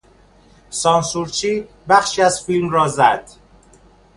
سانسورچی بخشی از فیلم را زد.